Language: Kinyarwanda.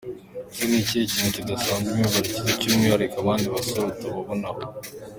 Ese ni ikihe kintu kidasanzwe umwibukiraho cy’umwihariko abandi basore utababonaho?.